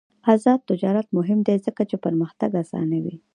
آزاد تجارت مهم دی ځکه چې پرمختګ اسانوي.